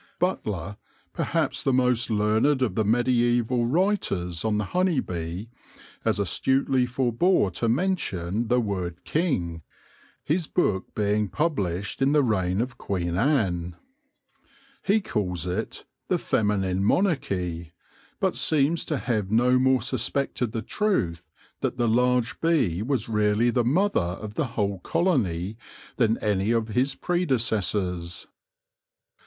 Butler, perhaps the most learned of the mediaeval writers on the honey bee, as astutely forbore to mention the word king, his book being published in the reign of Queen Anne. He calls it The Feminine Monarchic/ ' but seems to have no more suspected the truth that the large bee was really the mother of the whole colony than any of his pre decessors.